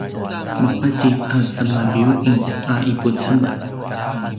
maqati a sema biyuing a ipucemel